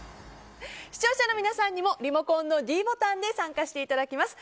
視聴者の皆さんにもリモコンのｄボタンで参加していただきます。